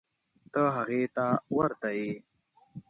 ته هغې ته ورته یې.